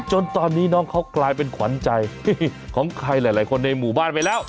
จนตอนนี้น้องเขากลายเป็นขวัญใจของใครหลายคนในหมู่บ้านไปแล้ว